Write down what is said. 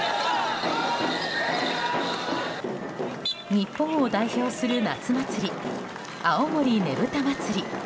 日本を代表する夏祭り青森ねぶた祭。